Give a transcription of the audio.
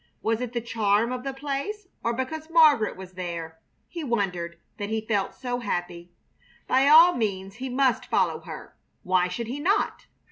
Was it the charm of the place or because Margaret was there, he wondered, that he felt so happy? By all means he must follow her. Why should he not?